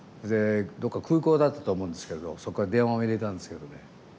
どっか空港だったと思うんですけれどそこから電話を入れたんですけどね。